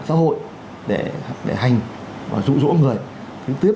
xã hội để hành và rụ rỗ người thứ tiếp